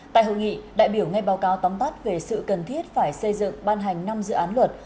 tại hội nghị đại biểu ngay báo cáo tóm tắt về sự cần thiết phải xây dựng ban hành năm dự án luật